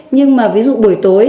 nhưng mà ví dụ buổi tối